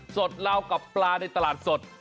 สดเรากับปลาในตลาดสด